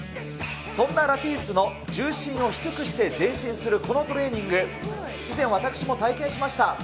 そんなラピースの重心を低くして前進するこのトレーニング、以前、私も体験しました。